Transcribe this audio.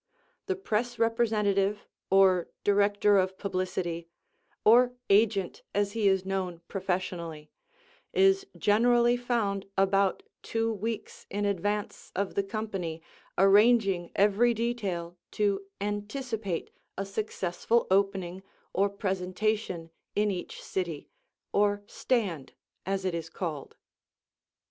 The Press Representative, or Director of Publicity, or "Agent" as he is known professionally, is generally found about two weeks in advance of the company arranging every detail to anticipate a successful opening or presentation in each city, or "stand," as it is called.